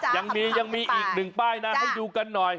จังนี้ยังมีเป้าหมายป้ายการหน่อย